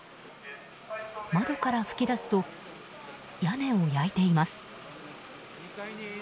窓から噴き出すと屋根を焼いています。